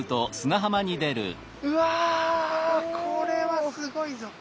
うわこれはすごいぞ！